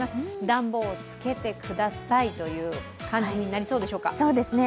暖房をつけてくださいという感じになりそうでしょうか？